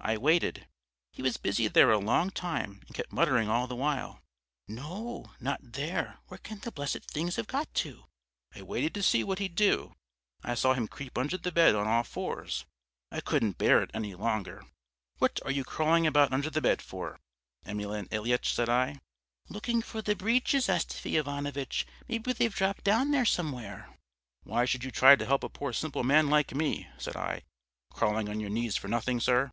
I waited he was busy there a long time and kept muttering all the while, 'No, not there, where can the blessed things have got to!' I waited to see what he'd do; I saw him creep under the bed on all fours. I couldn't bear it any longer. 'What are you crawling about under the bed for, Emelyan Ilyitch?' said I. "'Looking for the breeches, Astafy Ivanovitch. Maybe they've dropped down there somewhere.' "'Why should you try to help a poor simple man like me,' said I, 'crawling on your knees for nothing, sir?'